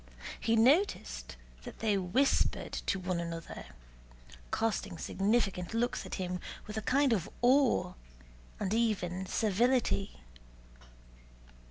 He noticed that they whispered to one another, casting significant looks at him with a kind of awe and even servility.